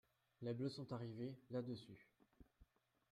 Les bleus sont arrivés là-dessus.